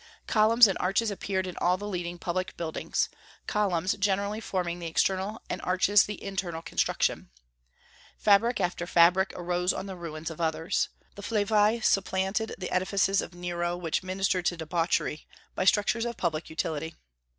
Columns and arches appeared in all the leading public buildings, columns generally forming the external and arches the internal construction. Fabric after fabric arose on the ruins of others. The Flavii supplanted the edifices of Nero, which ministered to debauchery, by structures of public utility.